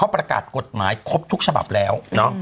ประกาศกฎหมายครบทุกฉบับแล้ว